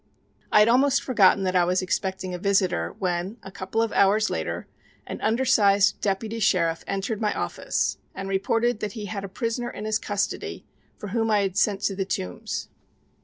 I had almost forgotten that I was expecting a visitor when, a couple of hours later, an undersized deputy sheriff entered my office and reported that he had a prisoner in his custody for whom I had sent to the Tombs.